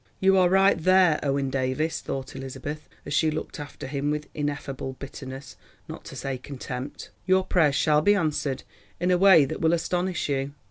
"You are right there, Owen Davies," thought Elizabeth, as she looked after him with ineffable bitterness, not to say contempt. "Your prayers shall be answered in a way that will astonish you.